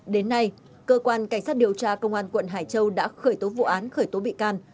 đến nay cơ quan cảnh sát điều tra công an quận hải châu đã khởi tố vụ án khởi tố bị can